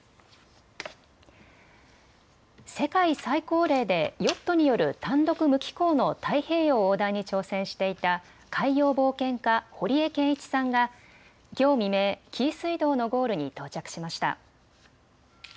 世界最高齢でヨットによる単独無寄港の太平洋横断に挑戦していた海洋冒険家堀江謙一さんがきょう未明紀伊水道のゴールに到着しました。